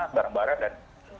di tim utama barang barat